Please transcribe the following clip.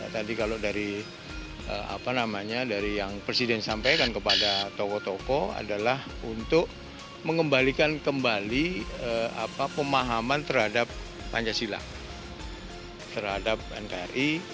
tadi kalau dari apa namanya dari yang presiden sampaikan kepada tokoh tokoh adalah untuk mengembalikan kembali pemahaman terhadap pancasila terhadap nkri